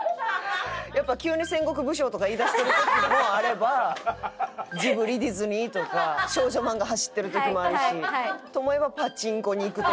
やっぱ急に戦国武将とか言いだしてる時もあればジブリディズニーとか少女漫画走ってる時もあるし。と思えばパチンコにいく時もある。